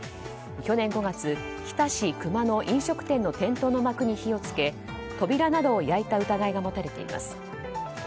去年５月、日田市の飲食店の店頭の幕に火を付け扉などを焼いた疑いが持たれています。